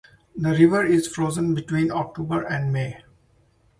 The river is frozen between October and May.